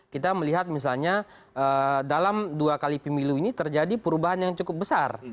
kita melihat misalnya dalam dua kali pemilu ini terjadi perubahan yang cukup besar